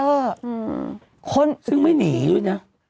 อืมคนซึ่งไม่หนีด้วยนะ